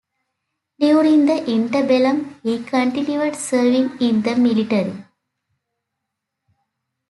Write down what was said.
During the interbellum he continued serving in the military.